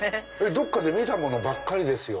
どっかで見たものばっかりですよ。